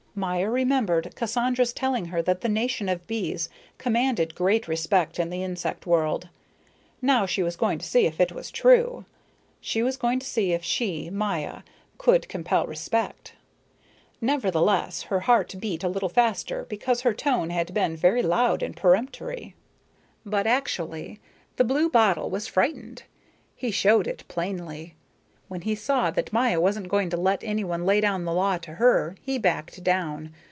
Maya remembered Cassandra's telling her that the nation of bees commanded great respect in the insect world. Now she was going to see if it was true; she was going to see if she, Maya, could compel respect. Nevertheless her heart beat a little faster because her tone had been very loud and peremptory. But actually the blue bottle was frightened. He showed it plainly. When he saw that Maya wasn't going to let anyone lay down the law to her he backed down.